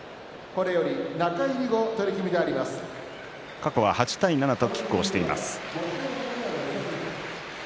過去は８対７ときっ抗しています。